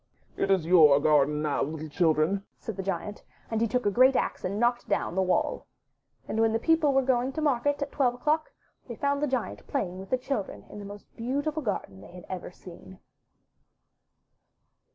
"It is your garden now, little children," said the Giant, and he took a great axe and knocked down the wall. And when the people were going to market at twelve o'clock they found the Giant playing with the children in the most beautiful garden they had ever seen.